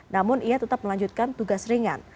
namun ia tetap melanjutkan tugas ringan